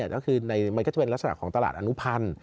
ก็คือมันก็จะเป็นลักษณะของตลาดอนุพันธ์